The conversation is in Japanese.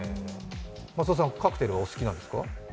松田さん、カクテルはお好きなんですか？